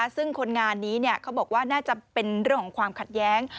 ซึ่งคนงานนี้เขาบอกว่าน่าจะเป็นเรื่องของความขัดแย้ง